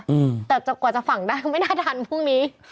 อืมแต่กว่าจะฝังได้ไม่น่าทันพรุ่งนี้